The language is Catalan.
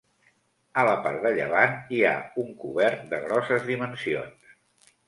A la part de llevant hi ha un cobert de grosses dimensions.